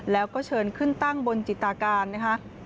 แล้วก็เชิญขึ้นตั้งบนจิตาการนะคะ